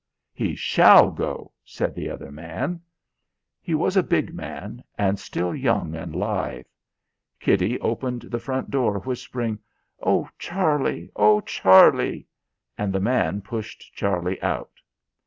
"He shall go," said the other man. He was a big man; and still young and lithe. Kitty opened the front door, whispering: "Oh, Charlie! Oh! Charlie!" and the man pushed Charlie out.